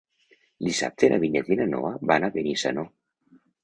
Dissabte na Vinyet i na Noa van a Benissanó.